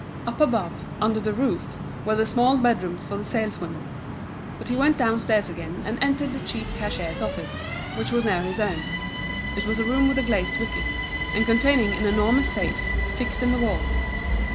Up above, under the roof, were the small bedrooms for the saleswomen. But he went downstairs again and entered the chief cashier's office, which was near his own. It was a room with a glazed wicket, and contained an enormous safe, fixed in the wall.